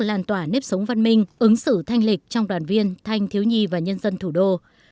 làn tỏa nếp sống văn minh ứng xử thanh lịch trong đoàn viên thanh thiếu nhi và nhân dân thủ đô